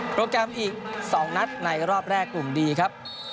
แกรมอีก๒นัดในรอบแรกกลุ่มดีครับ